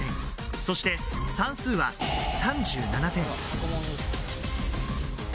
そして算数は３７点。